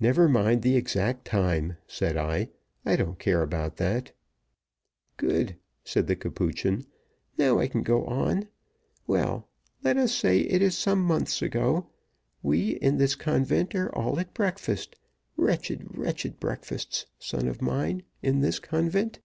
"Never mind the exact time," said I. "I don't care about that." "Good," said the Capuchin. "Now I can go on. Well, let us say it is some months ago we in this convent are all at breakfast wretched, wretched breakfasts, son of mine, in this convent!